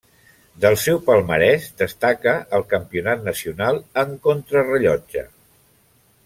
Del seu palmarès destaca el Campionat nacional en contrarellotge.